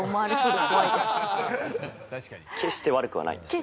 決して悪くはないんですよね。